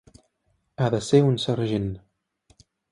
Ha de ser un sergent.